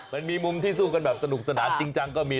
มันมีมุมที่สู้กันแบบสนุกสนานจริงจังก็มี